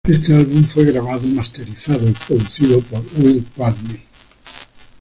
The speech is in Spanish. Este álbum fue grabado, masterizado y producido por Will Putney.